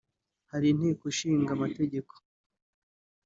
hari Inteko Ishinga Amategeko